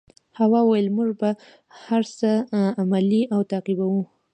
هوا وویل موږ به هر هغه څه عملي او تعقیبوو.